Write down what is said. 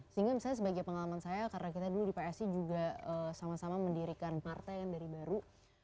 sehingga misalnya sebagai pengalaman saya karena kita dulu di psi juga sama sama mendirikan partai kan dari baru